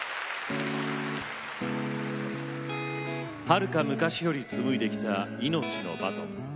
はるか昔よりつむいできた命のバトン。